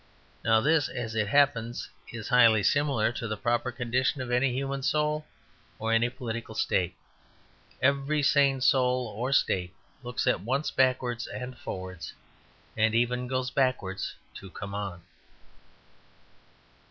Now this, as it happens, is highly similar to the proper condition of any human soul or any political state. Every sane soul or state looks at once backwards and forwards; and even goes backwards to come on.